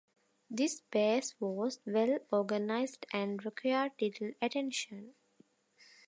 This base was well organized and required little attention.